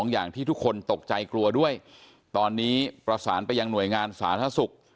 อย่างที่ทุกคนตกใจกลัวด้วยตอนนี้ประสานไปยังหน่วยงานสาธารณสุข